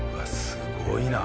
すごいな。